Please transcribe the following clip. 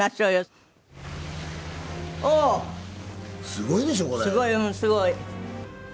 すごい。